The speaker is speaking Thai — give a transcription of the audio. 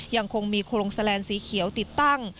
ยังคงมีโครงแสลนสีเขียวติดตั้ง